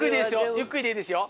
ゆっくりでいいですよ